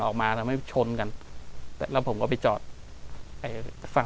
กลับมาที่สุดท้ายและกลับมาที่สุดท้าย